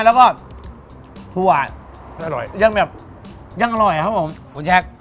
แล้วก็ถั่วอร่อยยังแบบยังอร่อยครับผมคุณแจ๊ค